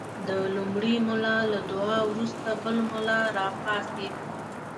د لومړي ملا له دعا وروسته بل ملا راپاڅېد.